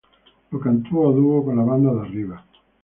Lo canto a dúo con la banda De Arriba.